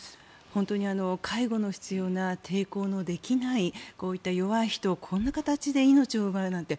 本当に介護の必要な抵抗のできないこういった弱い人をこんな形で命を奪うなんて